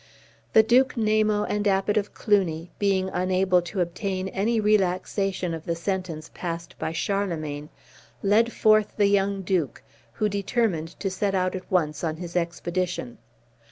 The Duke Namo and Abbot of Cluny, being unable to obtain any relaxation of the sentence passed by Charlemagne, led forth the young Duke, who determined to set out at once on his expedition.